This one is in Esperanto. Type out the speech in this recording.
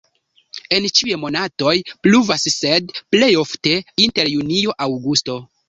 En ĉiuj monatoj pluvas, sed plej ofte inter junio-aŭgusto.